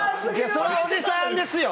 それはおじさんですよ！